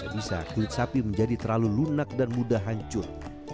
bisa kulit sapi menjadi terlalu lunak dan mudah hancur